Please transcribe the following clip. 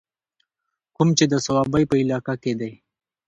کوم چې د صوابۍ پۀ علاقه کښې دے